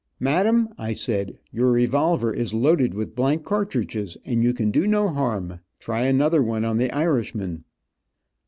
"Madame," I said, "your revolver is loaded with blank cartridges, and you can do no harm. Try another one on the Irishman."